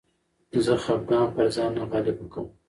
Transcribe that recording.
زه خپګان پر ځان نه غالبه کوم.